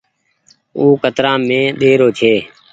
او ڪترآ مي ۮيرو ڇي۔